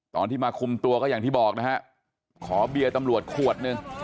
ตอนที่มาคุมตัวก็อย่างที่บอกนะฮะขอเบียร์ตำรวจขวดหนึ่ง